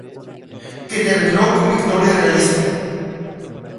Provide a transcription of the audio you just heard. Que terminó con victoria realista.